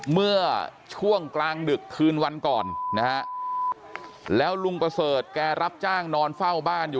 เมื่อช่วงกลางดึกคืนวันก่อนนะฮะแล้วลุงประเสริฐแกรับจ้างนอนเฝ้าบ้านอยู่